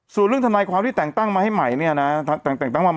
ส่วนเรื่องทนายความที่แต่งตั้งมาให้ใหม่